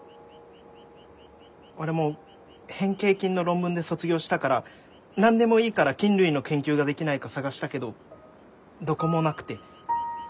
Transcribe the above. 俺も変形菌の論文で卒業したから何でもいいから菌類の研究ができないか探したけどどこもなくて。